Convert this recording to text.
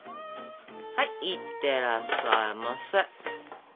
はいいってらっしゃいませ。